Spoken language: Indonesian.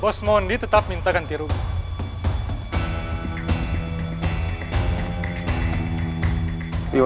bos mondi tetap minta ganti rubuh